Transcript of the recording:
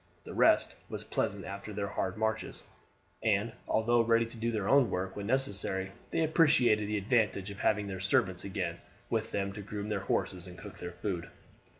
The rest was pleasant after their hard marches; and, although ready to do their own work when necessary, they appreciated the advantage of having their servants again with them to groom their horses and cook their food.